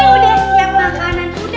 udah siap makanan kuda